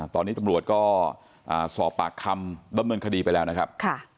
ตอนนี้ตำรวจก็สอบปากคำดำเนินคดีไปแล้วนะครับ